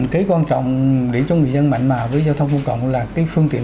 cái quan trọng để cho người dân mạnh mà với giao thông công cộng là cái phương tiện